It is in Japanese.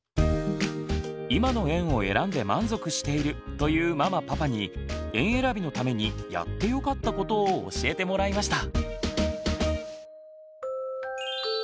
「今の園を選んで満足している」というママパパに園えらびのために「やってよかったこと」を教えてもらいました。